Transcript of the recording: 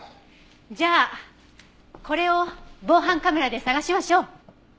じゃあこれを防犯カメラで捜しましょう！